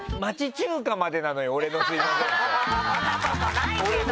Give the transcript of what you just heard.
そんなことないけど。